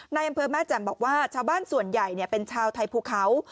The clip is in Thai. ในอำเภอแม่แจ่มบอกว่าชาวบ้านส่วนใหญ่เป็นชาวไทยภูเขา